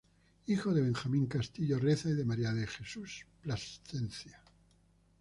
Hijo de Benjamín Castillo Reza y de María de Jesús Plascencia.